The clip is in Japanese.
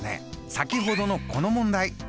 先ほどのこの問題。